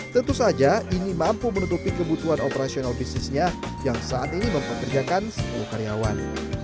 tentu saja ini mampu menutupi kebutuhan operasional bisnisnya yang saat ini mempekerjakan sepuluh karyawan